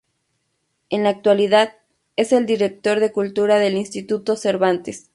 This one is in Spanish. En la actualidad, es el Director de Cultura del Instituto Cervantes.